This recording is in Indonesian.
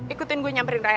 ikutin gue nyamperin raya